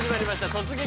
「突撃！